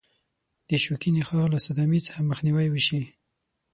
د شوکي نخاع له صدمې څخه مخنیوي وشي.